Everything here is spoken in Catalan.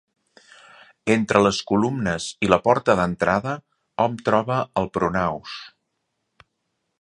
Entre les columnes i la porta d'entrada hom troba el pronaos.